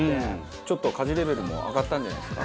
ちょっと家事レベルも上がったんじゃないですか？